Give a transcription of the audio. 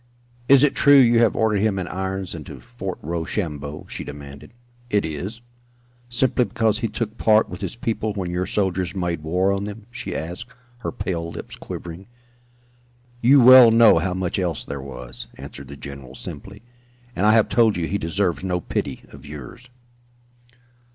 "Is it true you have ordered him in irons and to Fort Rochambeau?" she demanded. "It is." "Simply because he took part with his people when your soldiers made war on them?" she asked, her pale lips quivering. "You well know how much else there was," answered the general, simply. "And I have told you he deserves no pity of yours."